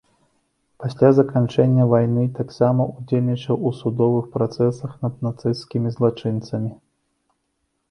Пасля заканчэння вайны таксама ўдзельнічаў у судовых працэсах над нацысцкімі злачынцамі.